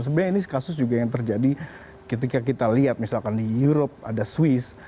sebenarnya ini kasus juga yang terjadi ketika kita lihat misalkan di europe ada swiss